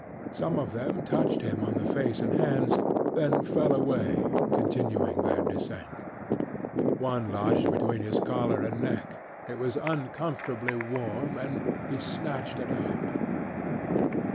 Some of them touched him on the face and hands, then fell away, continuing their descent. One lodged between his collar and neck; it was uncomfortably warm and he snatched it out.